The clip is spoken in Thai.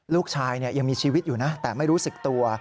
ยังมีชีวิตอยู่นะแต่ไม่รู้สึกตัว